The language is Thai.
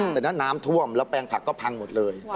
แต่ถ้าน้ำท่วมแล้วแปลงผักก็พังหมดเลย